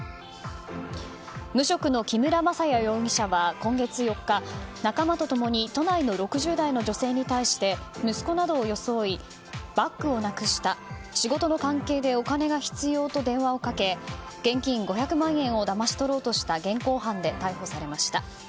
無職の木村将也容疑者は今月４日仲間と共に都内の６０代の女性に対して息子などを装いバッグをなくした仕事の関係でお金が必要と電話をかけ現金５００万円をだまし取ろうとした現行犯で逮捕されました。